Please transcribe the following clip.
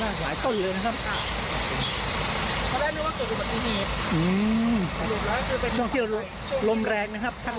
มันค่อนข้างรถก็จะกำลังตัวออกมาดูก็คือ